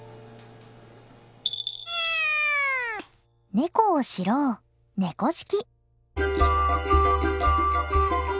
ネコを知ろう「猫識」。